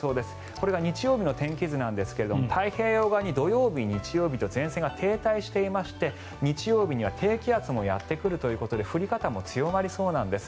これが日曜日の天気図なんですが太平洋側に土曜日、日曜日と前線が停滞していまして日曜日には低気圧もやってくるということで降り方も強まりそうなんです。